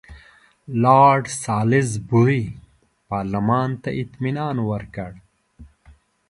لارډ سالیزبوري پارلمان ته اطمینان ورکړ.